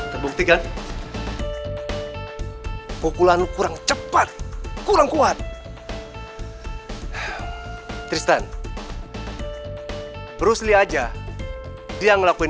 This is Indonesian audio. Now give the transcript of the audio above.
demi cinta gue harus berani